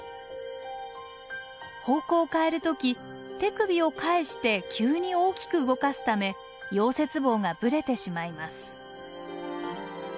方向を変える時手首を返して急に大きく動かすため溶接棒がブレてしまいます。